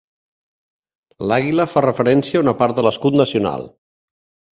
L'àguila fa referència a una part de l'escut nacional.